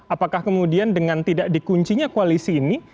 apakah kemudian dengan tidak dikunci nya koalisi ini